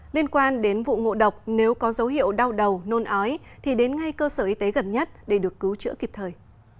liên quan đến vụ ngộ độc nếu có dấu hiệu đau đầu nôn ói thì đến ngay cơ sở y tế gần nhất để được cứu chữa kịp thời